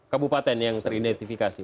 kabupaten yang teridentifikasi